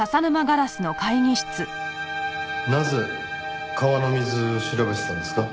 なぜ川の水調べてたんですか？